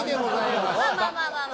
まあまあまあまあ。